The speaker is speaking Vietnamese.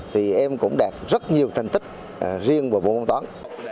thì em cũng đạt rất nhiều thành tích riêng vào môn toán